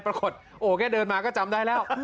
ปรากฏโอ้แค่เดินมาก็จำได้แล้ว